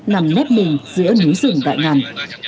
nằm nét bình giữa núi rừng đại ngàn